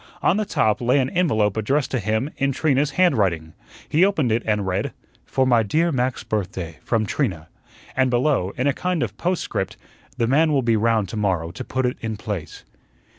On the top lay an envelope addressed to him in Trina's handwriting. He opened it and read, "For my dear Mac's birthday, from Trina;" and below, in a kind of post script, "The man will be round to morrow to put it in place."